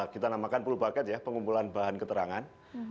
kita namakan pul paket ya pengumpulan bahan keterangan